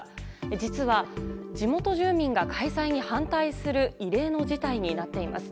実は地元住民が開催に反対する異例の事態になっています。